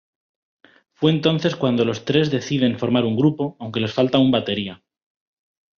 Fue entonces cuando los tres deciden formar un grupo, aunque les falta un batería.